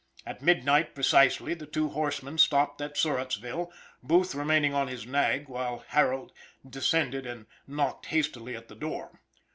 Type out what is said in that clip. At midnight, precisely, the two horsemen stopped at Surrattsville, Booth remaining on his nag while Harold descended and knocked lustily at the door.